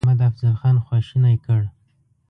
محمدافضل خان خواشینی کړ.